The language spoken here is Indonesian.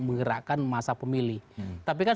menggerakkan masa pemilih tapi kan